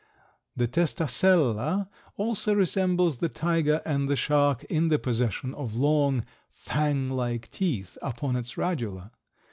The Testacella also resembles the tiger and the shark in the possession of long, fang like teeth upon its radula.